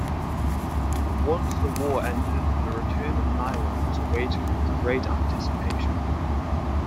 Once the war ended, the return of nylon was awaited with great anticipation.